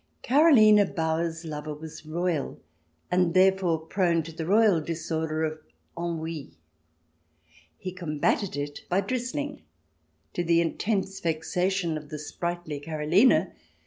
Karoline Bauer's lover was royal, and therefore prone to the royal disorder of ennui. He combated it by " drizzling "— to the intense vexation of the sprightly Karoline.